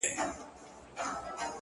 دى وايي دا;